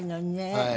はい。